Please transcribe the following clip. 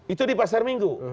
itu di pasar minggu